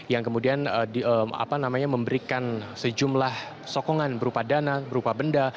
yang kemudian memberikan sejumlah sokongan berupa dana berupa benda